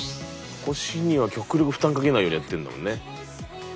腰には極力負担かけないようにやってんだもんね。